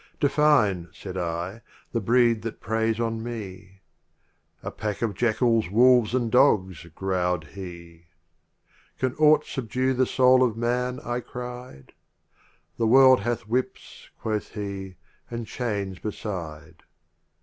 "Define, said I, "the breed that prey on me. "A pack of jackals, wolves and dogs! growled he. "Can aught subdue the soul of Man? I cried. "The world hath whips, quoth he, "and chains beside.